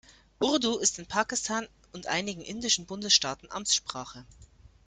Urdu ist in Pakistan und einigen indischen Bundesstaaten Amtssprache.